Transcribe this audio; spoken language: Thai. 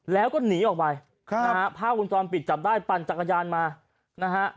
แล้วก็หนีออกไปครับนะฮะภาพวงจรปิดจับได้ปั่นจักรยานมานะฮะ